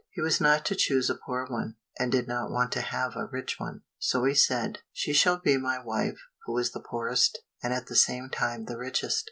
He was not to choose a poor one, and did not want to have a rich one. So he said, "She shall be my wife who is the poorest, and at the same time the richest."